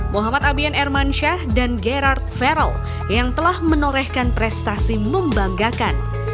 muhammad abian ermansyah dan gerard ferel yang telah menorehkan prestasi membanggakan